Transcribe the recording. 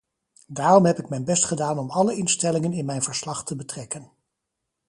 Daarom heb ik mijn best gedaan om alle instellingen in mijn verslag te betrekken.